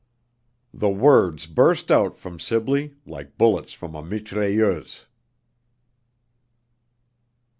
The words burst out from Sibley like bullets from a mitrailleuse.